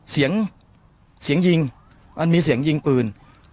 เสียงยิงมันมีเสียงยิงปืน